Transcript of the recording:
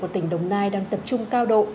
của tỉnh đồng nai đang tập trung cao độ